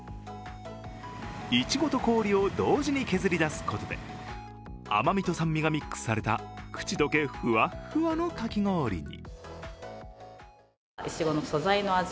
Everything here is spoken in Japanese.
イチゴと氷を同時に削り出すことで、甘みと酸味がミックスされた口どけふわっふわのかき氷に。